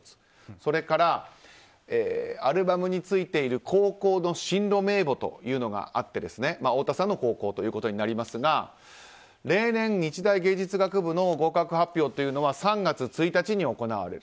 それから、アルバムについている高校の進路名簿というのがあって太田さんの高校ということになりますが例年、日大芸術学部の合格発表というのは３月１日に行われる。